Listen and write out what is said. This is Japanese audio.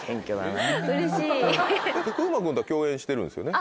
風磨君とは共演してるんですよね。